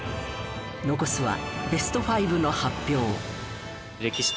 残すはベスト５の発表。